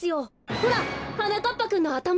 ほらはなかっぱくんのあたま。